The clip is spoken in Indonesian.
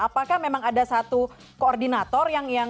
apakah memang ada satu koordinator yang